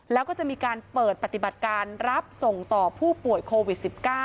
แล้วก็จะมีการเปิดปฏิบัติการรับส่งต่อผู้ป่วยโควิด๑๙